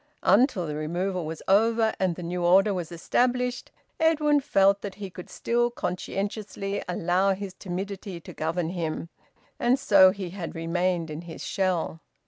Until the removal was over and the new order was established Edwin felt that he could still conscientiously allow his timidity to govern him, and so he had remained in his shell.